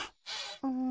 うん。